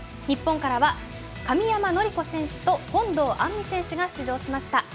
日本からは神山則子選手と本堂杏実選手が出場しました。